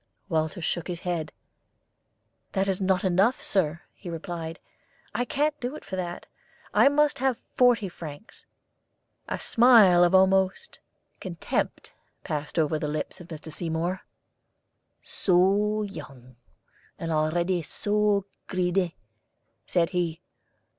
Walter shook his head. "That is not enough, Sir," he replied. "I can't do it for that. I must have forty francs." A smile almost of contempt passed over the lips of Mr. Seymour. "So young, and already so greedy!" said he.